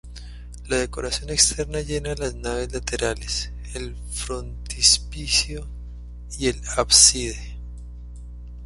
La decoración externa llena las naves laterales, el frontispicio y el ábside.